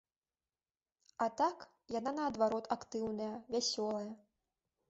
А так, яна наадварот актыўная, вясёлая.